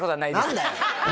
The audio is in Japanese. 何だよ